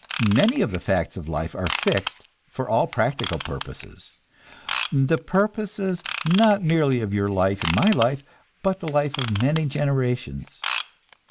Many of the facts of life are fixed for all practical purposes the purposes not merely of your life and my life, but the life of many generations.